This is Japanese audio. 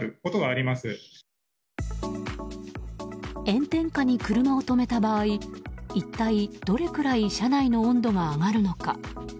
炎天下に車を止めた場合一体どれくらい車内の温度が上がるのか。